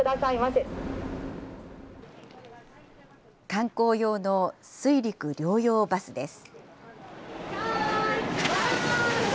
観光用の水陸両用バスです。